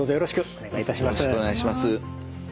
よろしくお願いします。